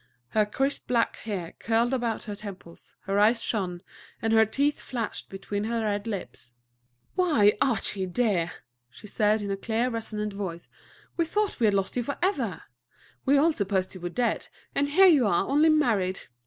Her crisp black hair curled about her temples, her eyes shone, and her teeth flashed between her red lips. "Why, Archie, dear," she said, in her clear, resonant voice, "we thought we had lost you forever. We all supposed you were dead, and here you are only married.